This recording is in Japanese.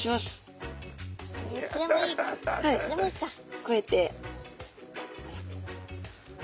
こうやって。